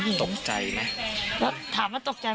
ซื้อของมาก